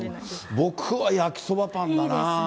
僕は焼きそばパンだなぁ。